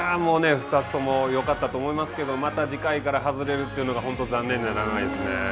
２つともよかったと思いますけれども次回から外れるのが本当残念でならないですね。